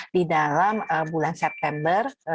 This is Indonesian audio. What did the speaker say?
di dalam bulan september